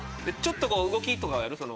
ちょっと動きとかやる？